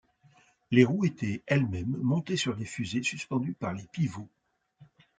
Les roues étaient elles-mêmes montées sur des fusées, suspendues par les pivots.